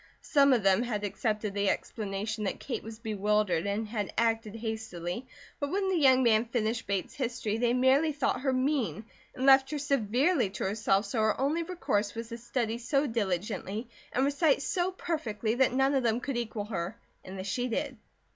Some of them had accepted the explanation that Kate was "bewildered" and had acted hastily; but when the young man finished Bates history, they merely thought her mean, and left her severely to herself, so her only recourse was to study so diligently, and recite so perfectly that none of them could equal her, and this she did.